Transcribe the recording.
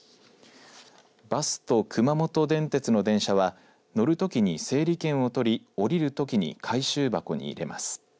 バスと熊本電鉄の電車は乗るときに整理券を取り降りるときに回収箱に入れます。